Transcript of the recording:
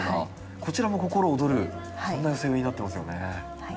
こちらも心躍るそんな寄せ植えになってますよね。